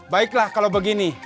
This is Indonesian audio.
baiklah kalau begini